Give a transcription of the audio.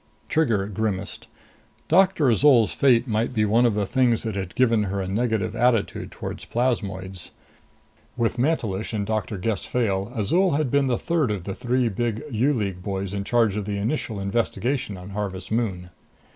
Trigger grimaced. Doctor Azol's fate might be one of the things that had given her a negative attitude towards plasmoids. With Mantelish and Doctor Gess Fayle, Azol had been the third of the three big U League boys in charge of the initial investigation on Harvest Moon.